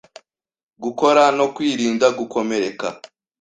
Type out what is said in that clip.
gukora no kwirinda gukomereka